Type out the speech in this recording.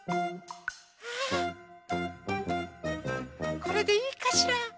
これでいいかしら？